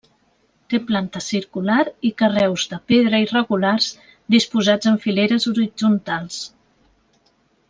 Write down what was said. Té planta circular i carreus de pedra irregulars disposats en fileres horitzontals.